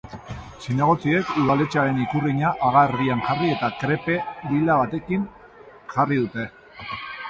Zinegotziek udaletxearen ikurriña haga erdian jarri eta krepe lila batekin jarri dute.